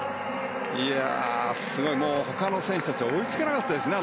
すごい。ほかの選手たちは追いつけなかったですね